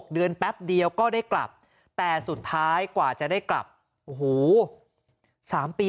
เดือนแป๊บเดียวก็ได้กลับแต่สุดท้ายกว่าจะได้กลับโอ้โห๓ปี